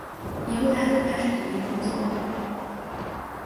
以后他就开始独立工作。